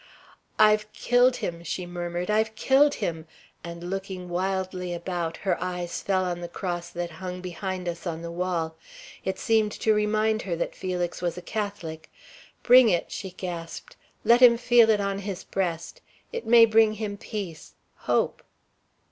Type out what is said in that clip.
"I've killed him!" she murmured. "I've killed him!" and looking wildly about, her eyes fell on the cross that hung behind us on the wall. It seemed to remind her that Felix was a Catholic. "Bring it!" she gasped. "Let him feel it on his breast. It may bring him peace hope."